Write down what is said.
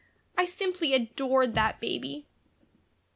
I simply adored that baby."